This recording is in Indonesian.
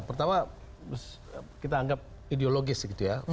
pertama kita anggap ideologis gitu ya